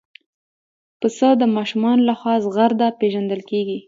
پسه د ماشومانو لخوا زغرده پېژندل کېږي.